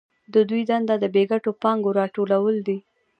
د دوی دنده د بې ګټو پانګو راټولول دي